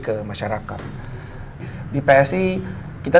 tapi gak pernah kentut depan dia